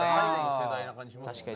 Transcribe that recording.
確かに。